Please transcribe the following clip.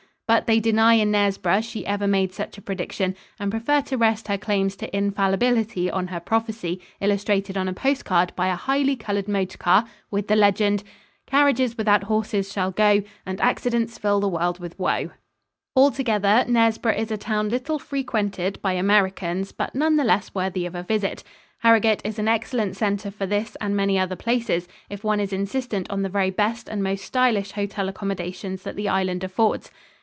But they deny in Knaresborough she ever made such a prediction, and prefer to rest her claims to infallibility on her prophecy illustrated on a post card by a highly colored motor car with the legend, "Carriages without horses shall go, And accidents fill the world with woe." Altogether, Knaresborough is a town little frequented by Americans, but none the less worthy of a visit. Harrogate is an excellent center for this and many other places, if one is insistent on the very best and most stylish hotel accommodations that the island affords.